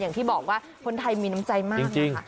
อย่างที่บอกว่าคนไทยมีน้ำใจมากนะคะ